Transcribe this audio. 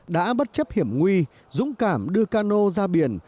đã bất chấp hiểm nguy dũng cảm đưa cano ra biển